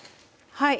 はい。